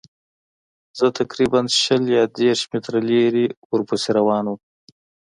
زه تقریباً شل یا دېرش متره لرې ورپسې روان وم.